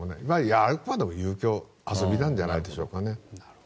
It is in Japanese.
あくまでも遊びなんじゃないでしょうかね。